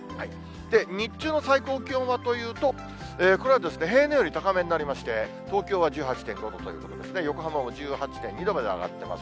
日中の最高気温はというと、これは平年より高めになりまして、東京は１８．５度ということですね、横浜も１８．２度まで上がってます。